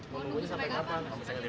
mau nunggu ini sampai kapan